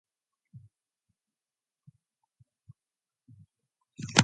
Initially, the player character is Saul in his normal, human form.